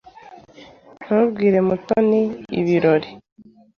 Ntubwire Mutoni ibirori.